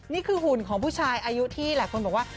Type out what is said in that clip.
หุ่นของผู้ชายอายุที่หลายคนบอกว่า